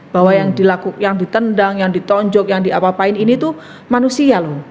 bahwa yang ditendang yang ditonjok yang diapa apain ini tuh manusia loh